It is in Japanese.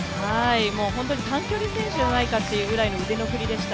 本当に短距離選手じゃないかっていうぐらいの腕の振りでした。